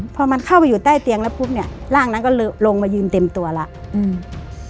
พอมันเข้าไปอยู่ใต้เตียงแล้วปุ๊บเนี้ยร่างนั้นก็ลงมายืนเต็มตัวแล้วอืม